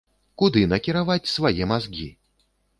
Куды накіраваць свае мазгі?